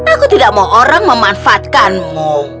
aku tidak mau orang memanfaatkanmu